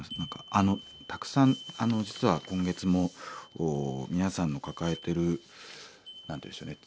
あのたくさん実は今月も皆さんの抱えてる何て言うんでしょうね